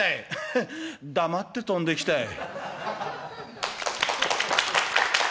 「ヘヘッ黙って飛んできたい」。